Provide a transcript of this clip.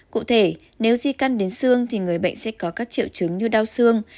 cụ thể nếu di căn đến xương thì người bệnh sẽ có các triệu chứng như đau xương